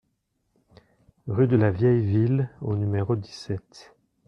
Rue de la Vieille Ville au numéro dix-sept